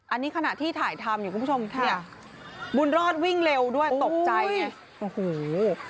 อันนี้คณะที่ถ่ายทำอยู่คุณผู้ชมบูนรอดวิ่งเร็วด้วยตกใจไง